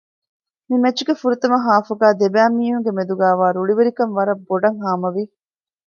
މި މެޗުގެ ފުރަތަމަ ހާފުގައި ދެބައި މީހުންގެ މެދުގައިވާ ރުޅިވެރިކަން ވަރަށް ބޮޑަށް ހާމަވި